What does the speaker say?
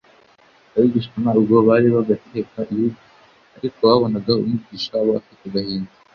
Abigishwa ntabwo bari bagakeka Yuda, ariko babonaga Umwigisha wabo afite agahinda.